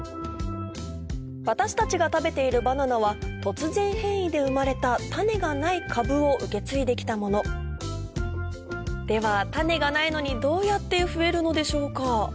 私たちが食べているバナナは突然変異で生まれた種がない株を受け継いできたものでは種がないのにどうやって増えるのでしょうか？